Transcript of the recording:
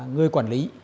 người quản lý